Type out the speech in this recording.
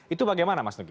itu bagaimana mas nugi